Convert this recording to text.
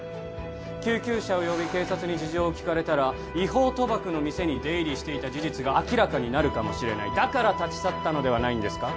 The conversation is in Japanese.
救急車を呼び警察に事情を聴かれたら違法賭博の店に出入りしていた事実が明らかになるかもしれないだから立ち去ったのではないんですか？